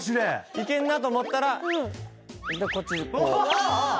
行けんなと思ったらこっちこう。